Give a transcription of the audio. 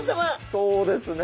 そうですね。